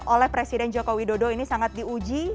oleh presiden joko widodo ini sangat diuji